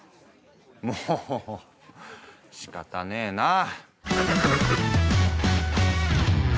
もうしかたねぇなぁ！